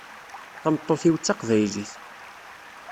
Tameṭṭut-iw d taqbaylit.